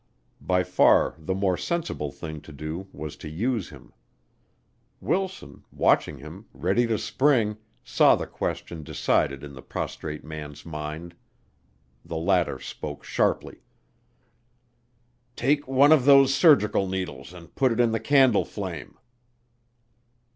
By far the more sensible thing to do was to use him. Wilson, watching him, ready to spring, saw the question decided in the prostrate man's mind. The latter spoke sharply. "Take one of those surgical needles and put it in the candle flame."